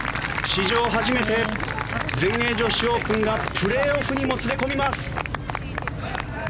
史上初めて全英女子オープンがプレーオフにもつれ込みます。